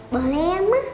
boleh ya ma